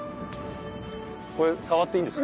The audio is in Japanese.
これ触っていいんですか？